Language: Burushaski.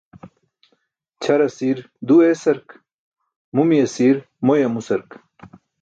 Ćʰar asir du eesark, mumi asiir moy amusark.